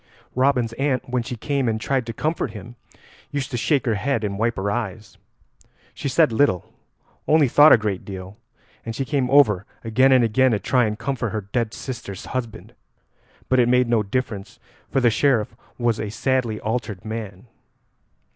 Robin's aunt when she came and tried to comfort him used to shake her head and wipe her eyes. She said little, only thought a great deal, and she came over again and again to try and comfort her dead sister's husband; but it made no difference, for the Sheriff was a sadly altered man.